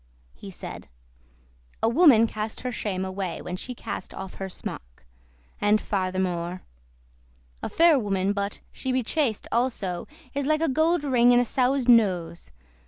He said, "A woman cast her shame away When she cast off her smock;" and farthermo', "A fair woman, but* she be chaste also, *except Is like a gold ring in a sowe's nose.